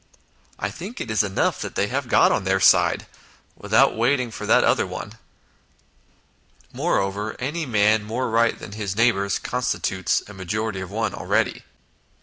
I think it is enough if they have God on their side, without waiting for that other i 4 INTRODUCTION one. Moreover, any man more right than his neighbours constitutes a majority of one already."